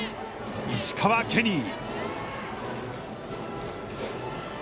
石川ケニー。